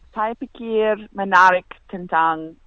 saya pikir menarik tentang